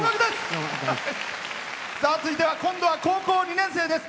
続いては今度は高校２年生です。